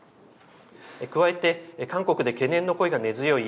加えて、韓国で懸念の声が根強い